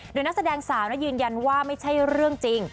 โดยนักแสดงสาวยืนยันว่าไม่ใช่เรื่องจริง